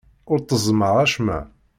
Ur tteẓẓmeɣ acemma.